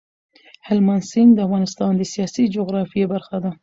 هلمند سیند د افغانستان د سیاسي جغرافیې برخه ده.